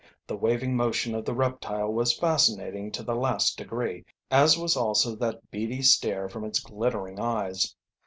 The waving motion of the reptile was fascinating to the last degree, as was also that beady stare from its glittering eyes.